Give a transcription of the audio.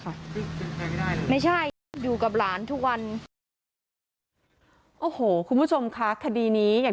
ค่ะไม่ใช่อยู่กับหลานทุกวันคุณผู้ชมค่ะคดีนี้อย่าง